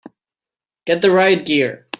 Get the riot gear!